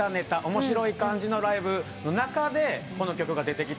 面白い感じのライブの中でこの曲が出てきたんですよ。